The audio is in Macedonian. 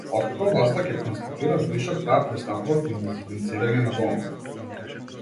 Откако власта ќе констатира вишок, таа пристапува кон дезинфицирање на домот.